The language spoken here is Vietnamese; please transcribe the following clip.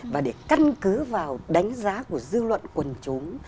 và để căn cứ vào đánh giá của dư luận quần chúng